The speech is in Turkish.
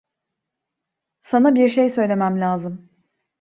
Sana bir şey söylemem lazım.